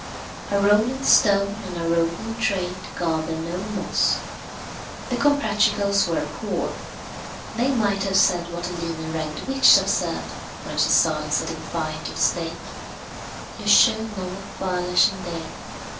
A rolling stone and a roving trade gather no moss. The Comprachicos were poor. They might have said what the lean and ragged witch observed, when she saw them setting fire to the stake, "Le jeu n'en vaut pas la chandelle."